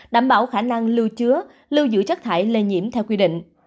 đảm bảo khả năng lưu chứa lưu giữ chất thải lây nhiễm theo quy định